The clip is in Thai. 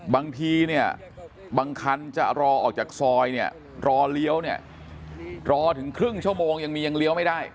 บางทีบางคันจะรอออกจากซอยรอเหลียวรอถึงครึ่งชั่วโมงยังมียังเหลียวไม่ได้